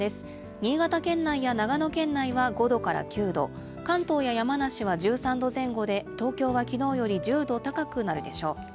新潟県内や長野県内は５度から９度、関東や山梨は１３度前後で、東京はきのうより１０度高くなるでしょう。